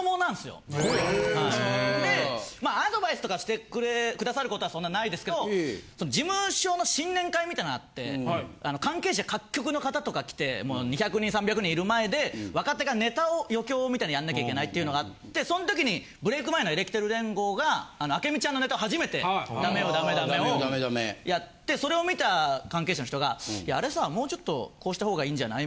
まあアドバイスとかしてくださることはそんなないですけど事務所の新年会みたいなのあって関係者各局の方とか来て２００人３００人いる前で若手がネタを余興みたいなやんなきゃいけないっていうのがあってそん時にブレイク前のエレキテル連合が朱美ちゃんのネタを初めて「ダメよダメダメ」をやってそれを見た関係者の人が「あれさもうちょっとこうした方がいいんじゃない？」